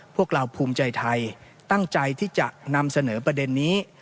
พวกเราภูมิใจไทยตั้งใจที่จะนำเสนอประเด็นนี้